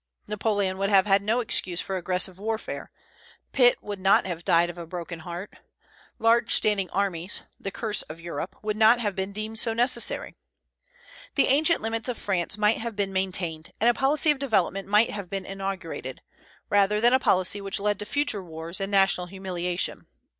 Napoleon would have had no excuse for aggressive warfare; Pitt would not have died of a broken heart; large standing armies, the curse of Europe, would not have been deemed so necessary; the ancient limits of France might have been maintained; and a policy of development might have been inaugurated, rather than a policy which led to future wars and national humiliation.